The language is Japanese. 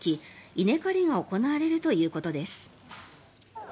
稲刈りが行われるということです。